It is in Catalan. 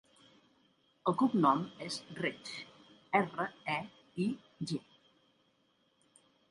El cognom és Reig: erra, e, i, ge.